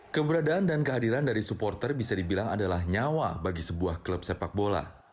keberadaan dan kehadiran dari supporter bisa dibilang adalah nyawa bagi sebuah klub sepak bola